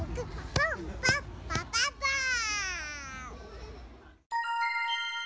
パンパンパパパーン！